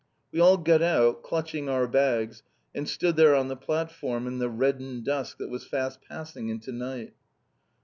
We all got out, clutching our bags, and stood there on the platform in the reddened dusk that was fast passing into night.